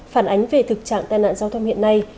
phản ánh về thực trạng tai nạn giao thông hiện nay